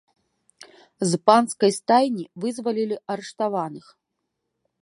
З панскай стайні вызвалілі арыштаваных.